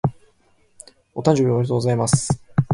お誕生日おめでとうございます。